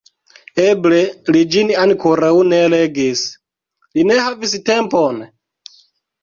Eble li ĝin ankoraŭ ne legis, li ne havis tempon?